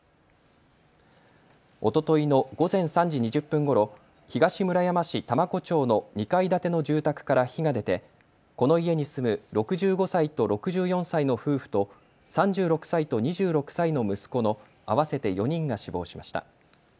おとといの午前３時２０分ごろ、東村山市多摩湖町の２階建ての住宅から火が出て、この家に住む６５歳と６４歳の夫婦と３６歳と２６歳の息子の合わせて４人が死亡しました。